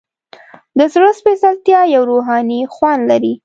د زړه سپیڅلتیا یو روحاني خوند لري.